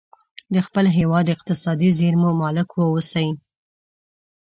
د خپل هیواد اقتصادي زیرمو مالک واوسي.